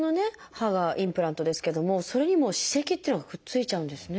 歯がインプラントですけどもそれにも歯石っていうのがくっついちゃうんですね。